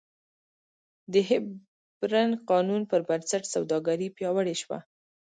د هیپبرن قانون پربنسټ سوداګري پیاوړې شوه.